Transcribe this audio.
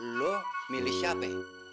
lo milih siapa